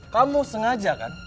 kamu sengaja kan